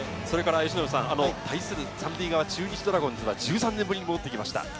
それから由伸さん、対する３塁側、中日ドラゴンズは、１３年ぶりに戻ってきました。